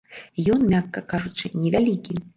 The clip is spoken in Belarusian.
Ён, мякка кажучы, невялікі.